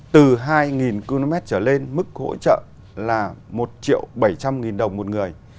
từ hai km trở lên mức hỗ trợ là một bảy trăm linh đồng một người